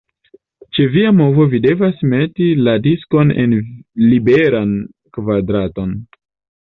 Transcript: Ĉe via movo vi devas meti la diskon en liberan kvadraton.